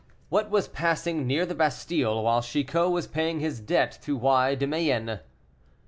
WHAT WAS PASSING NEAR THE BASTILE WHILE CHICOT WAS PAYING HIS DEBT TO Y. DE MAYENNE.